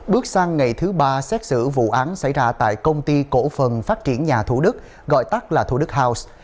bước sang ngày thứ ba xét xử vụ án xảy ra tại công ty cổ phần phát triển nhà thủ đức gọi tắt là thủ đức house